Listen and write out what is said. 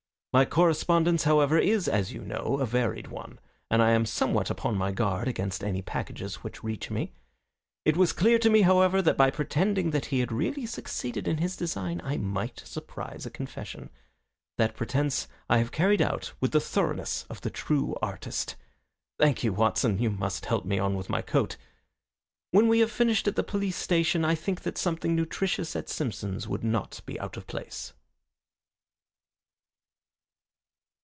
My correspondence, however, is, as you know, a varied one, and I am somewhat upon my guard against any packages which reach me. It was clear to me, however, that by pretending that he had really succeeded in his design I might surprise a confession. That pretence I have carried out with the thoroughness of the true artist. Thank you, Watson, you must help me on with my coat. When we have finished at the police station I think that something nutritious at Simpson's would not be out of place."